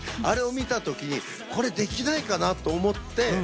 あれを見たときにこれできないかなと思って。